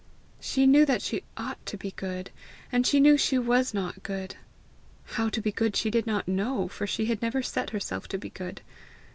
She knew that she ought to be good, and she knew she was not good; how to be good she did not know, for she had never set herself, to be good.